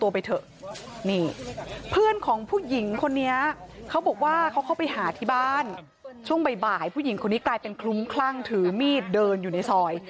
เพื่อนของผู้หญิงคนนี้เขาบอกว่าเขาเข้าไปหาที่บ้านช่วงบ่ายผู้หญิงคนนี้กลายเป็นคลุ้มคลั่งถือมีดเดินอยู่ในซอย